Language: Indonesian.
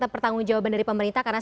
pertanggung jawaban dari pemerintah karena